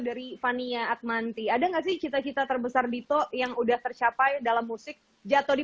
dari fania atmanti ada nggak sih cita cita terbesar dito yang udah tercapai dalam musik jatuh di